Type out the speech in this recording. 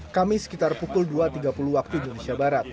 kamis sekitar pukul dua tiga puluh waktu indonesia barat